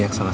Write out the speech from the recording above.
nu asuh ya